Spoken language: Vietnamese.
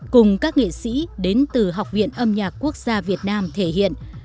cùng các nghệ sĩ đến từ học viện âm nhạc quốc gia việt nam thể hiện